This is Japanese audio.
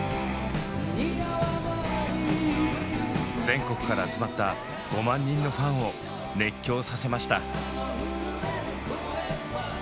全国から集まった５万人のファンを熱狂させました。